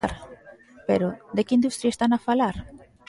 Pero ¿de que industria están a falar?